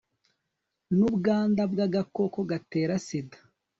n'ubwanda bw'agakoko gatera sida